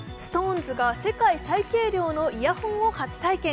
ＳｉｘＴＯＮＥＳが世界最軽量のイヤホンを初体験。